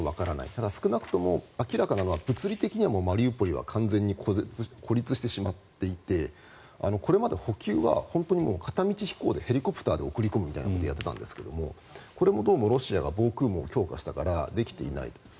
ただ、少なくとも物理的にはマリウポリは完全に孤立してしまっていてこれまで補給は本当に片道飛行でヘリコプターで送り込むみたいなことをやっていたんですがこれもどうもロシアは防空網を強化したからできていないと。